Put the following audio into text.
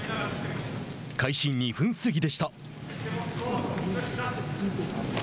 開始２分過ぎでした。